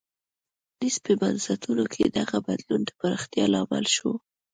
د وینز په بنسټونو کې دغه بدلون د پراختیا لامل شو